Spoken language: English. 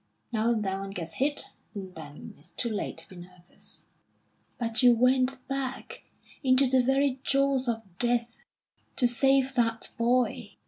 Now and then one gets hit, and then it's too late to be nervous." "But you went back into the very jaws of death to save that boy."